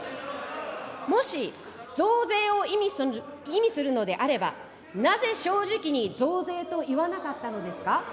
もし増税を意味するのであれば、なぜ正直に増税と言わなかったのですか。